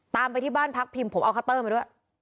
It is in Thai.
ไปที่บ้านพักพิมพ์ผมเอาคัตเตอร์มาด้วย